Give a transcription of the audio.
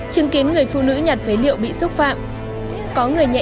con hết nước con mua cho con một tý nhé